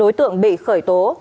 sáu đối tượng bị khởi tố